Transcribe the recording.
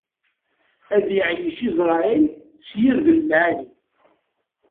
Ad iɛeyyec Isṛayil s yirden lɛali.